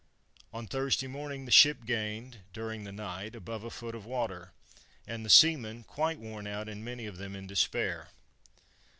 On Thursday morning the ship had gained, during the night, above a foot of water, and the seamen quite worn out, and many of them in despair.